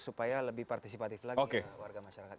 supaya lebih partisipatif lagi warga masyarakat